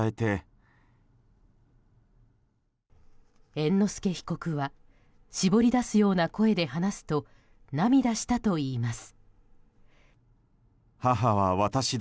猿之助被告は絞り出すような声で話すと涙したといいます。